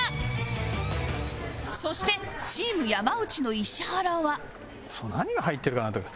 そしてチーム山内の石原は